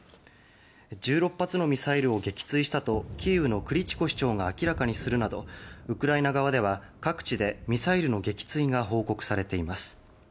１６発のミサイルを撃墜したとキーウのクリチコ市長が明らかにするなどウクライナ側では各地でミサイルの撃墜が報告されています。